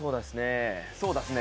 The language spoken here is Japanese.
そうだすね。